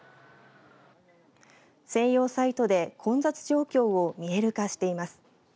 専用サイトで混雑状況を見える化しています。